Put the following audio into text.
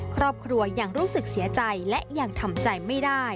ครอบครัวยังรู้สึกเสียใจและยังทำใจไม่ได้